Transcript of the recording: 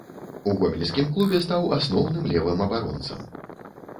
У гомельскім клубе стаў асноўным левым абаронцам.